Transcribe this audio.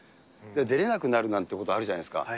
出れなくなるなんてこと、あるじゃないですか。